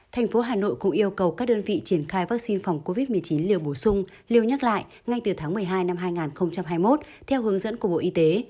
thành phố hà nội cũng yêu cầu các đơn vị triển khai vaccine phòng covid một mươi chín liều bổ sung liều nhắc lại ngay từ tháng một mươi hai năm hai nghìn hai mươi một theo hướng dẫn của bộ y tế